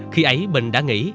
khi ấy bình đã nghĩ